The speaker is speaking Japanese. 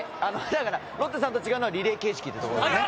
だからロッテさんと違うのはリレー形式っていうとこですね。